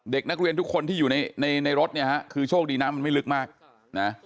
เด็กนักเรียนทุกคนที่อยู่ในในรถเนี่ยฮะคือโชคดีน้ำมันไม่ลึกมากนะ